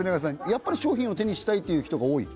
やっぱり商品を手にしたいっていう人が多い？